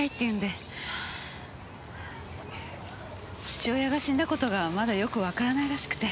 父親が死んだ事がまだよくわからないらしくて。